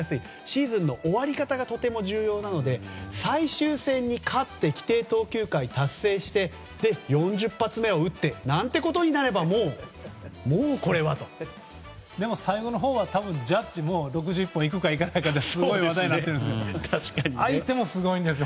シーズンの終わり方がとても重要なので最終戦に勝って規定投球回を達成して４０発目を打ってなんてことになれば最後のほうは多分ジャッジも６０本いくかいかないかですごい話題になってるんです。